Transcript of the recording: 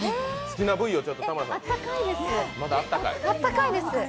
えっ、あったかいです。